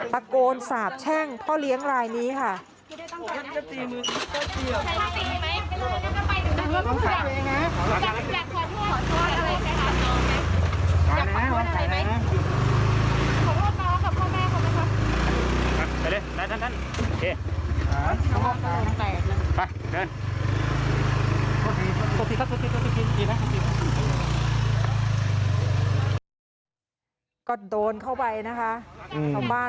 ตะโกนสาบแช่งพ่อเลี้ยงรายนี้ค่ะ